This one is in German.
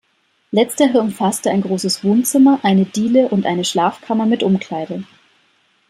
Letztere umfasste ein großes Wohnzimmer, eine Diele und eine Schlafkammer mit Umkleide.